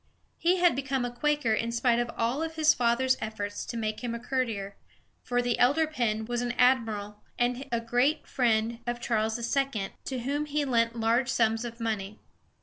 He had become a Quaker in spite of all his father's efforts to make him a courtier, for the elder Penn was an admiral, and a great friend of Charles II., to whom he lent large sums of money.